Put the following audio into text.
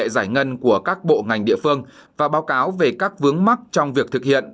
giải ngân của các bộ ngành địa phương và báo cáo về các vướng mắc trong việc thực hiện